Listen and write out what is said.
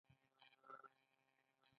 آیا سوله خیر ده؟